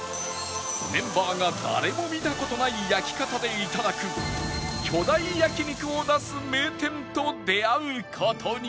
メンバーが誰も見た事ない焼き方でいただく巨大焼肉を出す名店と出会う事に